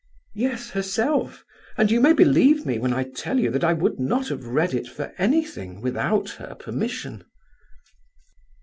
_" "Yes, herself; and you may believe me when I tell you that I would not have read it for anything without her permission."